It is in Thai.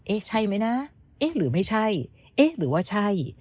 ใช่ไหมนะเอ๊ะหรือไม่ใช่เอ๊ะหรือว่าใช่